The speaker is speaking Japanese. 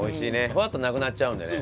ふわっとなくなっちゃうんだよね。